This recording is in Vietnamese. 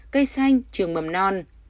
cây xanh trường mầm non